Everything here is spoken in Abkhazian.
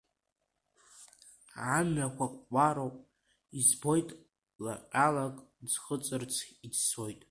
Амҩақәа кәароуп, избоит, ла ҟьалак ӡхыҵырц иӡсоит.